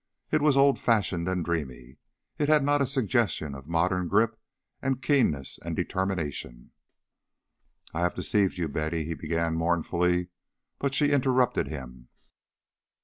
It was old fashioned and dreamy. It had not a suggestion of modern grip and keenness and determination. "I have deceived you, Betty," he began mournfully; but she interrupted him.